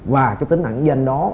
và cái tính ẩn danh đó